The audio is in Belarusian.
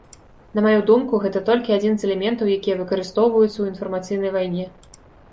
На маю думку, гэта толькі адзін з элементаў, якія выкарыстоўваюцца ў інфармацыйнай вайне.